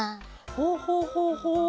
ほほほほう。